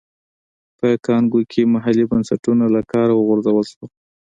په کانګو کې محلي بنسټونه له کاره وغورځول شول.